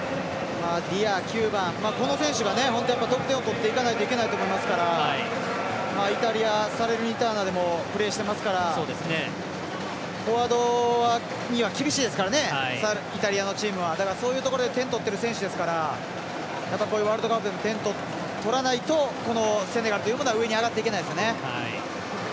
ディア、９番この選手が得点を取っていかないといけないと思いますからイタリアでもプレーしていますからフォワードには厳しいですからねイタリアのチームはそういうところで点を取ってるチームですからこういうワールドカップでも点取らないとセネガルというものは上に上がっていけないですよね。